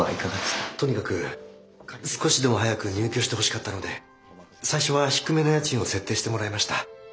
とにかく少しでも早く入居してほしかったので最初は低めの家賃を設定してもらいました。